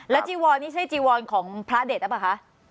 แล้วจีวอนนี่ใช่จีวอนของพระเด็ดน่ะป่าวคะ